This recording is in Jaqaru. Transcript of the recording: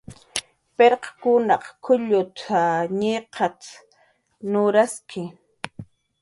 "Pirqkunaq k""ullut""a, ñiqat"" nurasli"